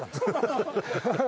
ハハハハ！